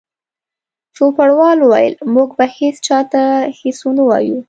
چوپړوال وویل: موږ به هیڅ چا ته هیڅ ونه وایو.